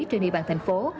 trên địa bàn thành phố